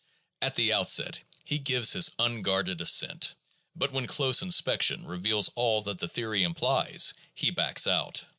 At the outset he gives his unguarded assent, but when close inspection reveals all that the theory implies he backs out.